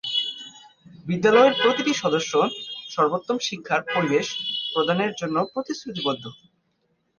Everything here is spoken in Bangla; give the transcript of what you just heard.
বিদ্যালয়ের প্রতিটি সদস্য সর্বোত্তম শিক্ষার পরিবেশ প্রদানের জন্য প্রতিশ্রুতিবদ্ধ।